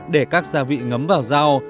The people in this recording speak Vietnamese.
để các gia vị ngấm vào rau